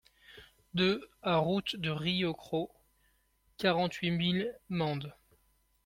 deux A route de Rieucros, quarante-huit mille Mende